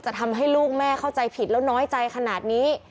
ทำให้ลูกแม่เข้าใจผิดแล้วน้อยใจขนาดนี้